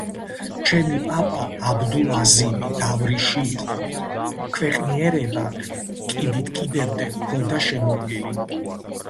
ჩემი პაპა, აბდულ-აზიმი, დავრიში იყო; ქვენიერება კიდით-კიდემდე ჰქონდა შემოვლილი.